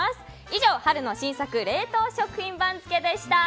以上、春の新作冷凍食品番付でした。